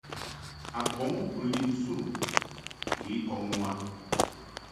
A bɔŋ u lin nsun u I kɔŋ u a.